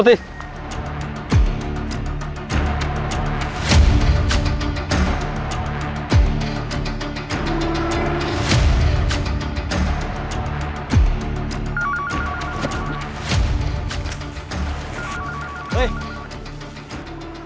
สนที่หนึ่ง